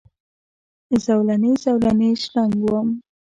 زولنې، زولنې شرنګ وم